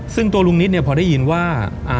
ซึ่งตัวลุงนิดเนี่ยพอได้ยินว่า